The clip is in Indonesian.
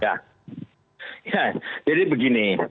ya jadi begini